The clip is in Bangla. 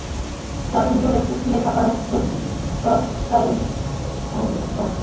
চার দিনে ধরে পিছিয়ে থাকা টেস্টও প্রায় জিতে নিয়েছিল কোহলির দল।